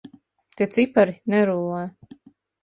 Tie cipari nerullē.